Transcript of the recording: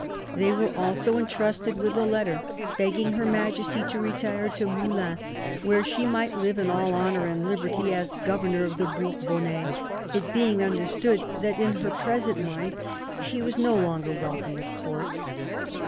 They were also entrusted with a letter, begging Her Majesty to retire to Moulins, where she might live in all honour and liberty as governor of the Bourbonnais ; it being understood that in her present mind she was no longer welcome at Court.